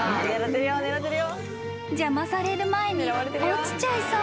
［邪魔される前に落ちちゃいそう］